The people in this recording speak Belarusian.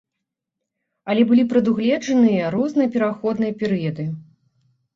Але былі прадугледжаныя розныя пераходныя перыяды.